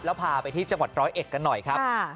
แล้วพาไปที่จังหวัดร้อยเอ็ดกันหน่อยครับ